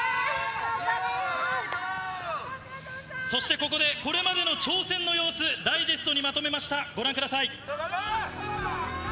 そしてここでこれまでの挑戦の様子、ダイジェストにまとめました、ご覧ください。